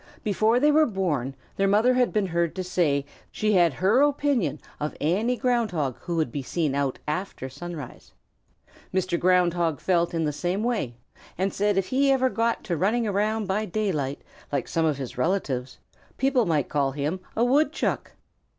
Before they were born their mother had been heard to say that she had her opinion of any Ground Hog who would be seen out after sunrise. Mr. Ground Hog felt in the same way, and said if he ever got to running around by daylight, like some of his relatives, people might call him a Woodchuck.